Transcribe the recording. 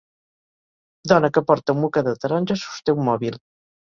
Dona que porta un mocador taronja sosté un mòbil.